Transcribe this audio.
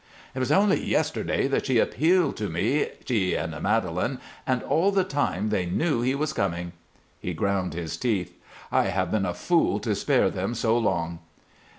"It was only yesterday that she appealed to me, she and Madelon, and all the time they knew he was coming." He ground his teeth. "I have been a fool to spare them so long."